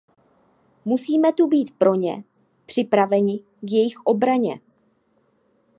Musíme tu být pro ně, připraveni k jejich obraně.